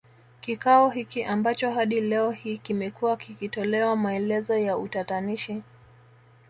Kikao hiki ambacho hadi leo hii kimekuwa kikitolewa maelezo ya utatanishi